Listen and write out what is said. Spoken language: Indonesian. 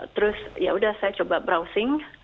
terus ya udah saya coba browsing